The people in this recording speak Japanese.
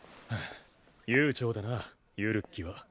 悠長だなユルッキは。